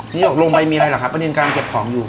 นี่ออกลงไปมีอะไรเหรอคะป้านินกำลังเก็บของอยู่